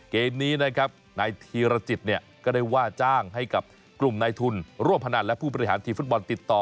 เกมนี้นะครับนายธีรจิตเนี่ยก็ได้ว่าจ้างให้กับกลุ่มนายทุนร่วมพนันและผู้บริหารทีมฟุตบอลติดต่อ